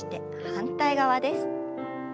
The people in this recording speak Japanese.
反対側です。